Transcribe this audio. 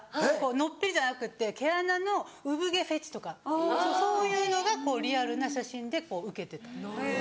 のっぺりじゃなくって毛穴の産毛フェチとかそういうのがリアルな写真でウケてた。